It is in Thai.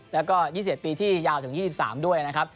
แล้วก็๒๑ปีที่ยาวถึง๒๓ด้วยนะครับ